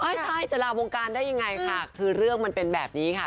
ไม่ใช่จะลาวงการได้ยังไงค่ะคือเรื่องมันเป็นแบบนี้ค่ะ